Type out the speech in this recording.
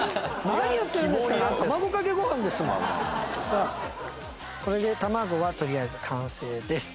さあこれで卵はとりあえず完成です。